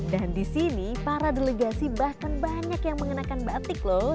dan di sini para delegasi bahkan banyak yang mengenakan batik loh